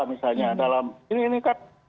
misalnya ini kan